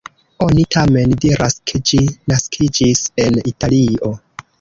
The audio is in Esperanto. Oni tamen diras ke ĝi naskiĝis en Italio.